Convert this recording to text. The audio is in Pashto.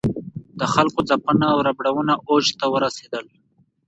د خلکو ځپنه او ربړونه اوج ته ورسېدل.